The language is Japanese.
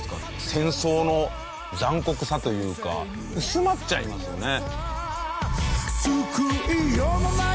戦争の残酷さというか薄まっちゃいますよね。